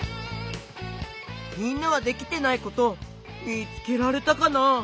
みんなはできてないことみつけられたかな？